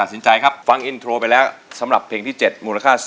นี้คืออินโทรเพลงที่๗มูลค่า๒แสนบาท